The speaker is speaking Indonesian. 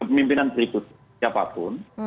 dan pemimpinan terikut siapapun